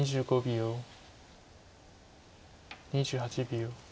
２８秒。